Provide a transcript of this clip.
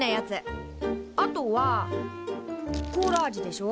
あとはコーラ味でしょ